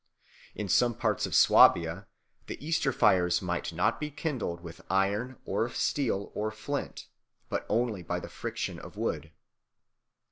In some parts of Swabia the Easter fires might not be kindled with iron or steel or flint, but only by the friction of wood.